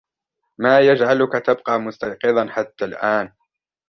ما يجعلك تبقى مستيقظاً حتى الآن ؟